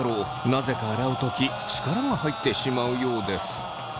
なぜか洗う時力が入ってしまうようです。